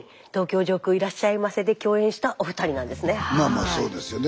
まあまあそうですよね。